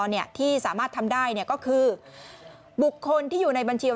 เนี่ยที่สามารถทำได้เนี่ยก็คือบุคคลที่อยู่ในบัญชี